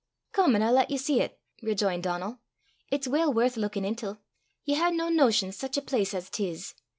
"Come an' I'll lat ye see 't," rejoined Donal. "It's weel worth luikin' intil. Ye hae nae notion sic a place as 'tis.